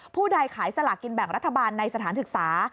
ใดขายสลากกินแบ่งรัฐบาลในสถานศึกษา